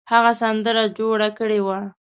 هغه سندره جوړه کړې وه.